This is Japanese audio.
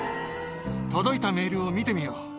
届いたメールを見てみよう。